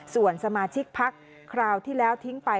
ส่วนสมาชิกพักคราวที่แล้วทิ้งไป